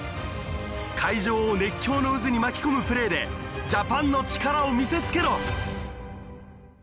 会場を熱狂の渦に巻き込むプレーでジャパンの力を見せつけろ！